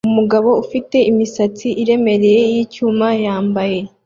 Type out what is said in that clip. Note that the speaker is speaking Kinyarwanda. Umugabo ufite imisatsi iremereye yicyuma yambaye